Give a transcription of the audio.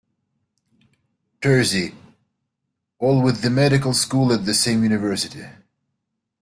Terzi, all with the Medical School at the same university.